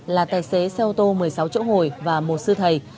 là tài xế xe ô tô một mươi sáu chỗ ngồi và một sư thầy